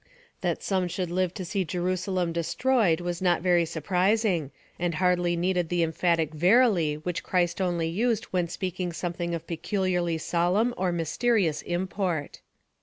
That some should live to see Jerusalem destroyed was not very surprising, and hardly needed the emphatic Verily which Christ only used when speaking something of peculiarly solemn or mysterious import.